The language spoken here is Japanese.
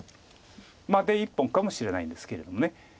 出１本かもしれないんですけれども。